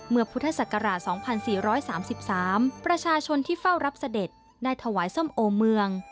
พุทธศักราช๒๔๓๓ประชาชนที่เฝ้ารับเสด็จได้ถวายส้มโอเมือง